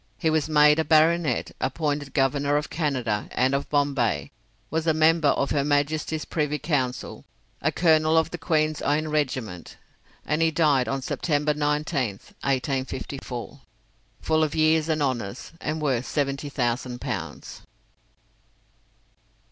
He was made a baronet, appointed Governor of Canada and of Bombay, was a member of Her Majesty's Privy Council, a colonel of the Queen's Own regiment, and he died on September 19th, 1854, full of years and honours, and worth 70,000 pounds.